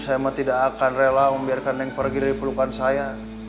saya mah tidak akan rela membiarkan neng pergi dari perlukan saya